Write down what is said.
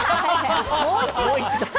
もう一度？